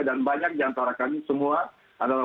dan banyak di antara kami semua adalah